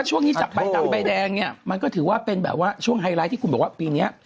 ช่วงนี้จับใบดำใบแดงเนี่ยมันก็ถือว่าเป็นแบบว่าช่วงไฮไลท์ที่คุณบอกว่าปีนี้